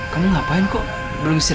kamu ngapain kok belum selesai